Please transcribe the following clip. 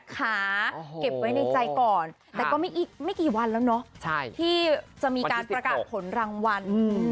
แต่ก็ทีกวันแล้วที่จะมีการประกาศผลรางวัล